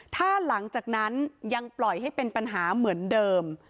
ถ้าหลังจากนั้นยังปล่อยให้เป็นปัญหาเหมือนเดิม